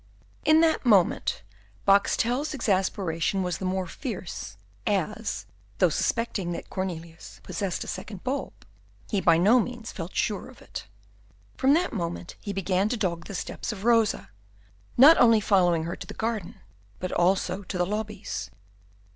In that moment Boxtel's exasperation was the more fierce, as, though suspecting that Cornelius possessed a second bulb, he by no means felt sure of it. From that moment he began to dodge the steps of Rosa, not only following her to the garden, but also to the lobbies.